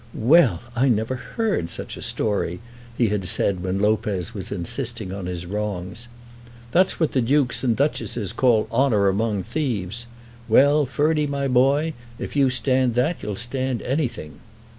"Well; I never heard such a story," he had said when Lopez was insisting on his wrongs. "That's what the Dukes and Duchesses call honour among thieves! Well, Ferdy, my boy, if you stand that you'll stand anything."